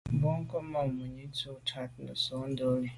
Bwɔ́ŋkə́ʼ mǎʼ mùní tɔ̌ tɔ́ bú trǎt nə̀ sǒ ndǒlî.